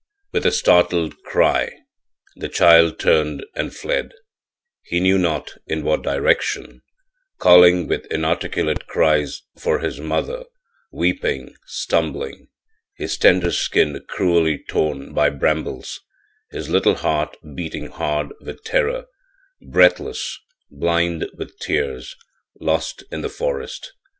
With a startled cry the child turned and fled, he knew not in what direction, calling with inarticulate cries for his mother, weeping, stumbling, his tender skin cruelly torn by brambles, his little heart beating hard with terror breathless, blind with tears lost in the forest!